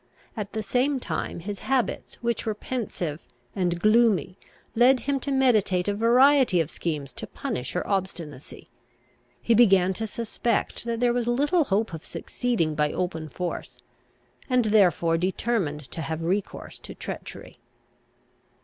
At the same time his habits, which were pensive and gloomy, led him to meditate a variety of schemes to punish her obstinacy. He began to suspect that there was little hope of succeeding by open force, and therefore determined to have recourse to treachery.